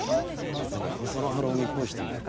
あとね細野晴臣っぽい人も。